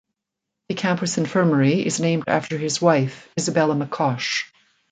The campus infirmary is named after his wife, Isabella McCosh.